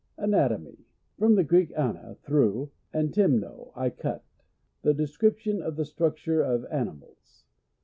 Anatomy. — From the Greek, ana,\ through, and temno, I cut; thedes ? cription of the structure of ani j ni:ils.